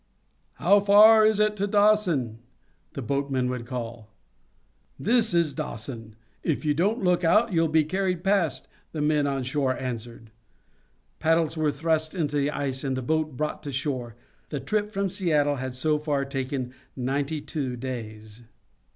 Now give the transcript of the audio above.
"How far is it to Dawson?" the boatman would call. "This is Dawson. If you don't look out you'll be carried past," the men on shore answered. Paddles were thrust into the ice, and the boat brought to shore. The trip from Seattle had so far taken ninety two days.